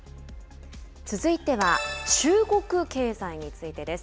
続いては中国経済についてです。